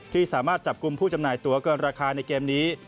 ที่สามารถจับกลุ่มผู้จำหน่ายตัวเกินราคาในเกมนี้